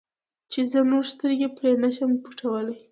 چې زه نور سترګې پرې نه شم پټولی.